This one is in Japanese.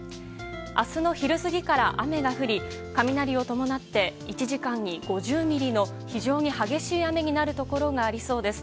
明日の昼過ぎから雨が降り雷を伴って１時間に５０ミリの非常に激しい雨になるところがありそうです。